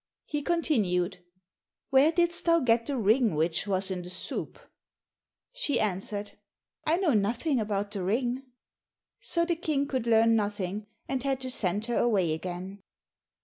He continued, "Where didst thou get the ring which was in the soup?" She answered, "I know nothing about the ring." So the King could learn nothing, and had to send her away again.